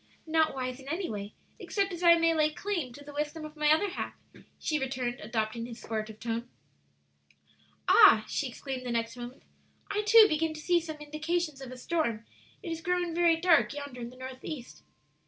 "Not wise in any way except as I may lay claim to the wisdom of my other half," she returned, adopting his sportive tone. "Ah," she exclaimed the next moment, "I, too, begin to see some indications of a storm; it is growing very dark yonder in the northeast!"